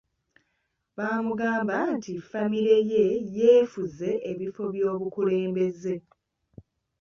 Bamugamba nti famire ye yeefuze ebifo by’obukulembeze.